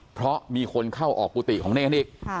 เพราะมีคนเข้าออกกุฏิของเนรอีก